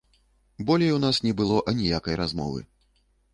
Болей у нас не было аніякай размовы.